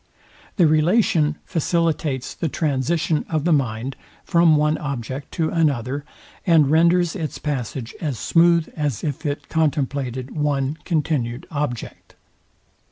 The relation facilitates the transition of the mind from one object to another, and renders its passage as smooth as if it contemplated one continued object.